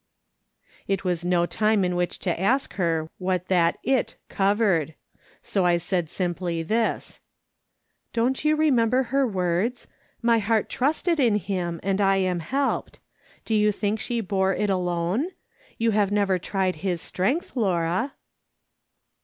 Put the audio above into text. It was no time in which to ask her what that " if' covered ; so I said simply this :" Don't you remember her words :' My heart trusted in Him, and I am helped.' Do you think she bore it alone ? You have never tried his strength, Laura."